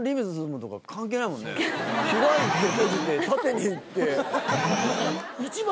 開いて閉じて縦にいって。